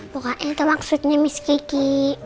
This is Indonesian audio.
bukan itu maksudnya miss kiki